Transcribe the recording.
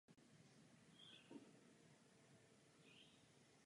Co se nyní děje?